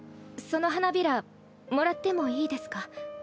その花びらもらってもいいですか？